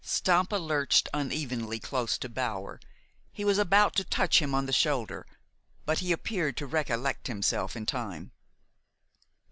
Stampa lurched unevenly close to Bower. He was about to touch him on the shoulder; but he appeared to recollect himself in time.